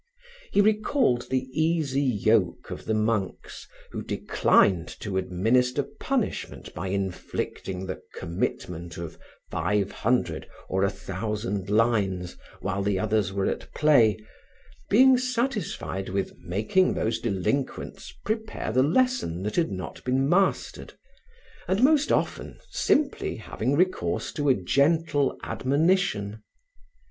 He recalled the easy yoke of the monks who declined to administer punishment by inflicting the committment of five hundred or a thousand lines while the others were at play, being satisfied with making those delinquents prepare the lesson that had not been mastered, and most often simply having recourse to a gentle admonition.